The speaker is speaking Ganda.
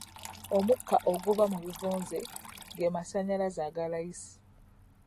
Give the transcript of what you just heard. Omukka oguva mu bivunze ge masannyalaze aga layisi.